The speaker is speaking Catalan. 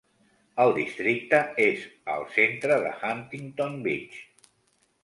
El districte és al centre de Huntington Beach.